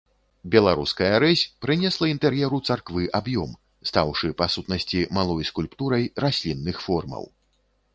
Беларуская рэзь прынесла інтэр'еру царквы аб'ём, стаўшы, па сутнасці, малой скульптурай раслінных формаў.